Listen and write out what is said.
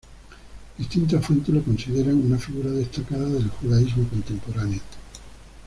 Distintas fuentes lo consideran una figura destacada del judaísmo contemporáneo.